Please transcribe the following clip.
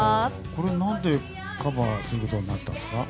これは何でカバーすることになったんですか？